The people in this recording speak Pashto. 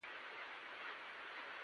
د دعا ارزښت د آرامۍ لامل دی.